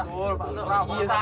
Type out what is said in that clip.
betul pak lura